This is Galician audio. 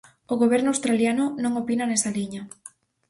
O goberno australiano non opina nesa liña.